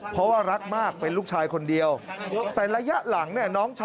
เพราะว่ารักมากเป็นลูกชายคนเดียวแต่ระยะหลังเนี่ยน้องชาย